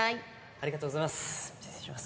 ありがとうございます。